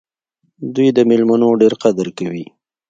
دوی د میلمنو ډېر قدر کوي.